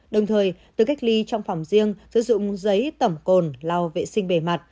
đồng thời tự cách ly trong phòng riêng sử dụng giấy tẩm cồn lau vệ sinh bề mặt